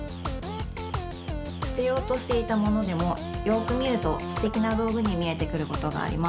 すてようとしていたものでもよくみるとすてきなどうぐにみえてくることがあります。